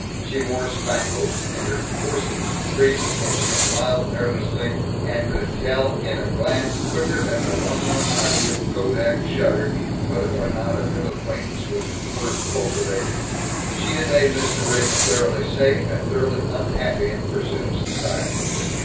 She wore spangles, and her corsets creaked, and she smiled nervously, and could tell in a glance quicker than the 1/100 kodak shutter whether or not a new acquaintance was "worth cultivating." She had made Mr. Riggs thoroughly safe and thoroughly unhappy in the pursuit of society.